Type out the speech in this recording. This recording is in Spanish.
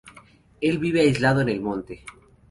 Él vive aislado en el monte.